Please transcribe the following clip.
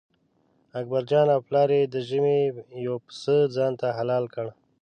اکبرجان او پلار یې د ژمي یو پسه ځانته حلال کړ.